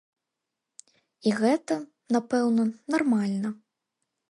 І гэта, напэўна, нармальна.